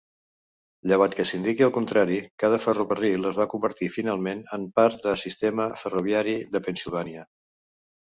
Llevat que s'indiqui el contrari, cada ferrocarril es va convertir finalment en part de sistema ferroviari de Pennsilvània.